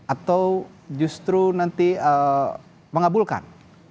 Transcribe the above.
atau justru nanti mengabulkan